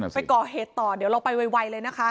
ไปก่อเหตุต่อเดี๋ยวเราไปไวเลยนะคะ